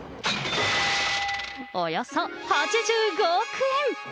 およそ８５億円。